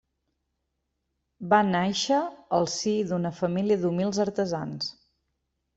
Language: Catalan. Va nàixer al si d'una família d'humils artesans.